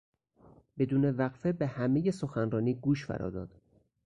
بدون وقفه به همهی سخنرانی گوش فرا داد.